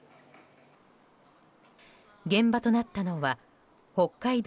現場となったのは北海道